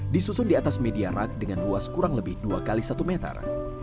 disusun di atas media rak dengan luas kurang lebih dua x satu meter